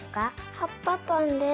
はっぱぱんです。